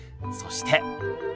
そして。